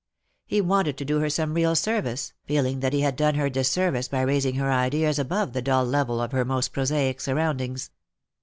He wanted to do her some real service, feeling that he had done her disservice by raising her ideas above the dull level of her most prosaic surroundings.